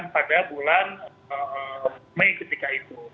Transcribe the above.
pada bulan mei ketika itu